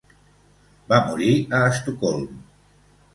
Va morir a Estocolm.